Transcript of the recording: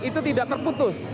itu tidak terputus